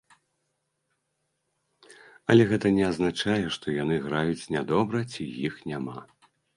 Але гэта не азначае, што яны граюць нядобра ці іх няма.